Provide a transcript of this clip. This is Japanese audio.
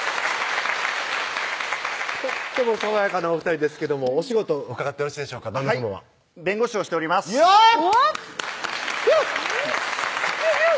とっても爽やかなお２人ですけどもお仕事伺ってよろしいでしょうかはい弁護士をしておりますヨーッ！